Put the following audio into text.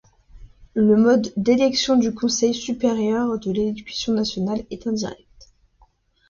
Le mode d'élection du Conseil supérieur de l'éducation nationale est indirect.